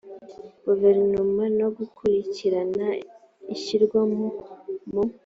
guverinoma no gukurikirana ishyirwa mu